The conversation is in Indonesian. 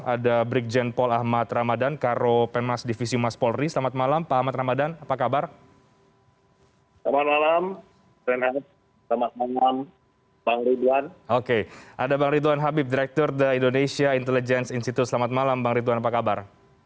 ada brigjen paul ahmad ramadan karo penmas divisi umas polri selamat malam pak ahmad ramadan apa kabar